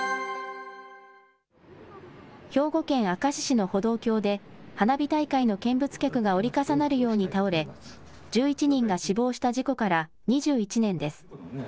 兵庫県明石市の歩道橋で、花火大会の見物客が折り重なるように倒れ、１１人が死亡した事故から２１年です。